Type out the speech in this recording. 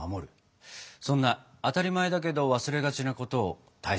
そんな当たり前だけど忘れがちなことを大切にしていたんですね。